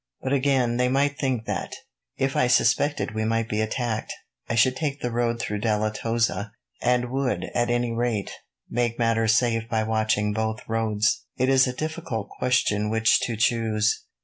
But again, they might think that, if I suspected we might be attacked, I should take the road through Deleytoza, and would, at any rate, make matters safe by watching both roads. It is a difficult question which to choose."